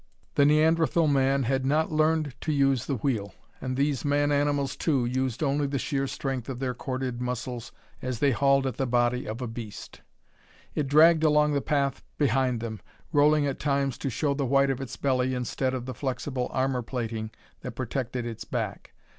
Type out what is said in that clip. The Neanderthal Man had not learned to use the wheel; and these man animals, too, used only the sheer strength of their corded muscles as they hauled at the body of a beast. It dragged along the path behind them, rolling at times to show the white of its belly instead of the flexible armor plating that protected its back.